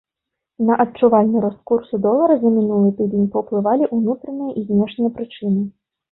На адчувальны рост курсу долара за мінулы тыдзень паўплывалі ўнутраныя і знешнія прычыны.